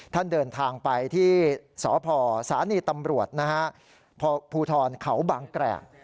ท่านเดินทางไปที่สพสานีตำรวจพูทรเขาบางแกรก